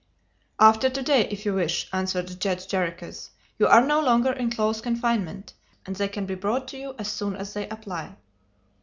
"After to day, if you wish," answered Judge Jarriquez; "you are no longer in close confinement, and they can be brought to you as soon as they apply."